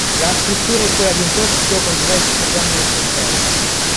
La struttura è quella di un talk show con diversi programmi al suo interno.